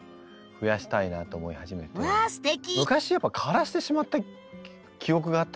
昔やっぱ枯らしてしまった記憶があったので。